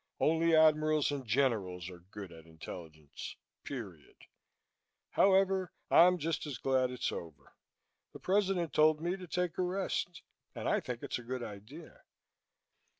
Only Admirals and Generals are good at intelligence. Period. However, I'm just as glad it's over. The President told me to take a rest and I think it's a good idea."